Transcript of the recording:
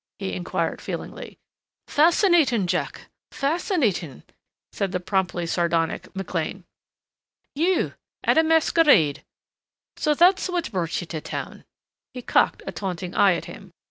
he inquired feelingly. "Fascinating, Jack, fascinating," said the promptly sardonic McLean. "You at a masquerade!... So that's what brought you to town." He cocked a taunting eye at him.